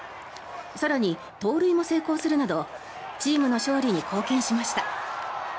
更に、盗塁も成功するなどチームの勝利に貢献しました。